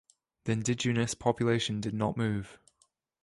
The indigenous population did not move.